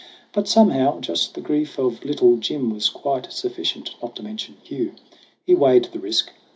But somehow just the grief of Little Jim Was quite sufficient not to mention Hugh. He weighed the risk.